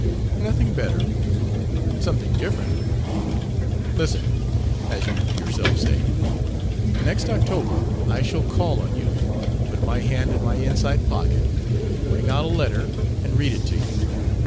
"Nothing better. Something different. Listen, as you yourself say. Next October I shall call on you, put my hand in my inside pocket, bring out a letter and read it to you.